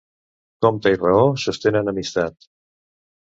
Compte i raó sostenen amistat.